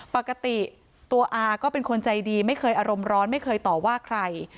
ปกติตัวอาก็เป็นคนใจดีไม่เคยอารมณ์ร้อนไม่เคยต่อว่าใคร